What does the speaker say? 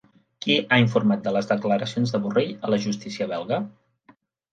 Qui ha informat de les declaracions de Borrell a la justícia belga?